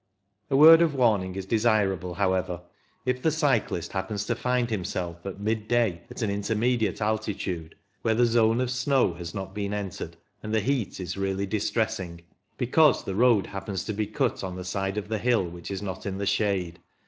A word of warning is desirable, however, if the cyclist happens to find himself at midday at an intermediate altitude, where the zone of snow has not been entered, and the heat is really distressing, because the road happens to be cut on the side of the hill which is not in the shade.